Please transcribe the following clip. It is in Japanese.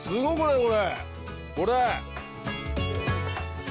これ。